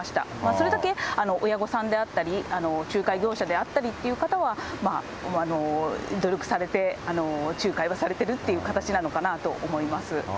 それだけ親御さんであったり、仲介業者であったりというのは努力されて、仲介はされてるっていう形なのかなと思います。